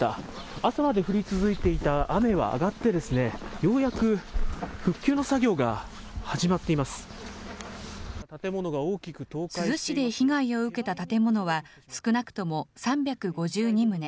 朝まで降り続いていた雨は上がって、ようやく復旧の作業が始まっ珠洲市で被害を受けた建物は少なくとも３５２棟。